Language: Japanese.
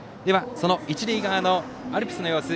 その一塁側のアルプスの様子